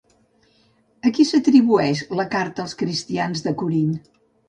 A qui s'atribueix la Carta als cristians de Corint?